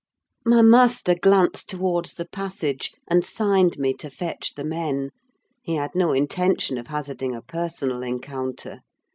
My master glanced towards the passage, and signed me to fetch the men: he had no intention of hazarding a personal encounter.